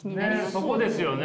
そこですよね。